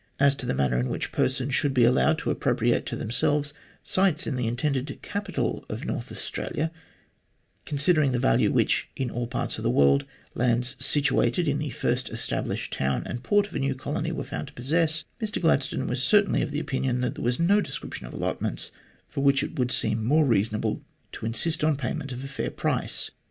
As to the manner in which persons should be allowed to appropriate to themselves sites in the intended capital of North Australia, considering the value which in all parts of the world lands situated in the first established town and port of a new colony were found to possess, Mr Glad stone was certainly of opinion that there was no description of allotments for which it would seem more reasonable to insist on payment of a fair price.